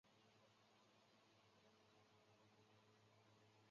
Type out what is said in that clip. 凹睾棘缘吸虫为棘口科棘缘属的动物。